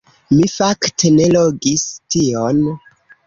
Mi fakte ne legis tion.